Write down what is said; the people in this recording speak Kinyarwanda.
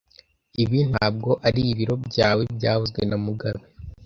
Ibi ntabwo ari biro byawe byavuzwe na mugabe